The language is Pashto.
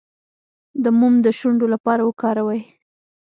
د موم د شونډو لپاره وکاروئ